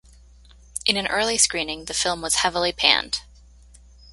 In an early screening, the film was heavily panned.